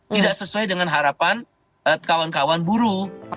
tidak sesuai dengan harapan kawan kawan buruh